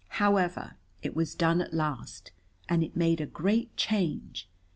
However, it was done at last, and it made a great change.